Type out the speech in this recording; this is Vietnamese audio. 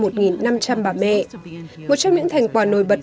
một trong những thành quả nổi bật của nhóm là loạt bằng các câu hỏi giáo viên